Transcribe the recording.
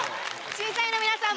⁉審査員の皆さん